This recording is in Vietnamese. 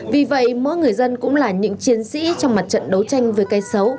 vì vậy mỗi người dân cũng là những chiến sĩ trong mặt trận đấu tranh với cây xấu